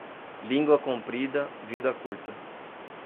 Língua comprida - vida curta.